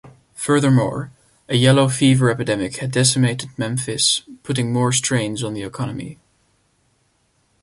Furthermore, a Yellow Fever epidemic had decimated Memphis, putting more strains on the economy.